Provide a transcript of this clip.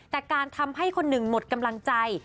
แต่การทำให้คนหนึ่งหมดกำลังใจ